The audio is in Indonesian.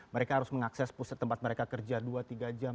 mereka harus mengakses pusat tempat mereka kerja dua tiga jam